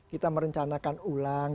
kita merencanakan ulang